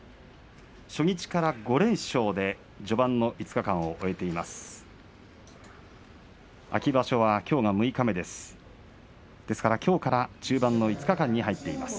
初日から５連勝で序盤の５日間を終えています。